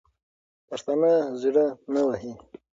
پښتانه زړه نه وهي.